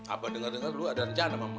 apa denger denger lu ada rencana mama